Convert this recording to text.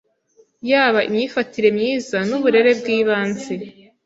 yaba imyitwarire myiza, n’uburere bw’ibanze,